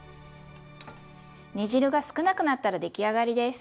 煮汁が少なくなったら出来上がりです。